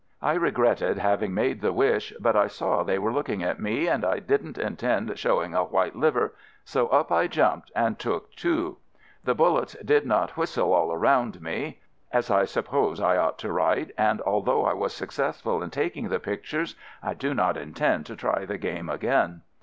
I regretted having made the wish, but I saw they were looking at me, and I did n't intend showing a white liver, so up I jumped and took two. The bullets did not whistle all around me, as I suppose I o H fa H 3 2 fa <J FIELD SERVICE 85 ought to write, and although I was suc cessful in taking the picture I do not in tend to try the game again.